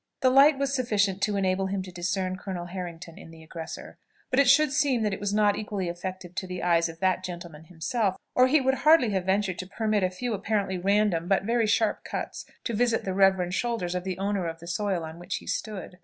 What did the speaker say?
The light was quite sufficient to enable him to discern Colonel Harrington in the aggressor; but it should seem that it was not equally effective to the eyes of that gentleman himself, or he would hardly have ventured to permit a few apparently random, but very sharp cuts to visit the reverend shoulders of the owner of the soil on which he stood.